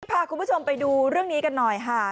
พาคุณผู้ชมไปดูเรื่องนี้กันหน่อยค่ะ